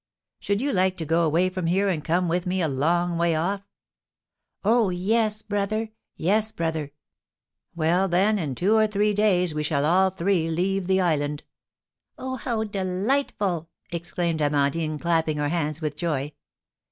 "Should you like to go away from here, and come with me a long way off?" "Oh, yes, brother!" "Yes, brother!" "Well, then, in two or three days we shall all three leave the island." "Oh, how delightful!" exclaimed Amandine, clapping her hands with joy.